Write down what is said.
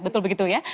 betul begitu ya